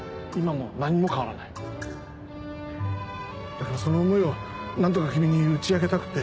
だからその思いをなんとか君に打ち明けたくて。